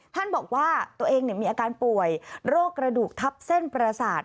ท่านบอกว่าตัวเองมีอาการป่วยโรคกระดูกทับเส้นประสาท